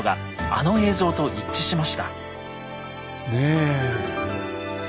あの映像と一致しました。